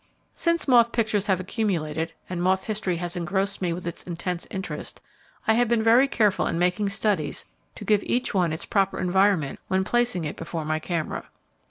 Since moth pictures have accumulated, and moth history has engrossed me with its intense interest, I have been very careful in making studies to give each one its proper environment when placing it before my camera.